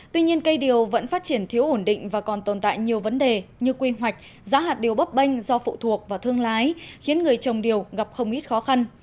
tuy nhiên cây điều vẫn phát triển thiếu ổn định và còn tồn tại nhiều vấn đề như quy hoạch giá hạt điều bấp bênh do phụ thuộc vào thương lái khiến người trồng điều gặp không ít khó khăn